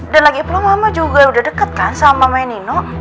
dan lagi pulang mama juga udah deket kan sama mama nino